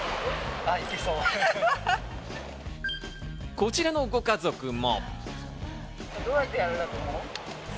こちらのご家族も。